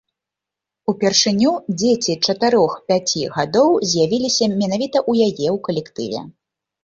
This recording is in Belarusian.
Упершыню дзеці чатырох-пяці гадоў з'явіліся менавіта ў яе ў калектыве.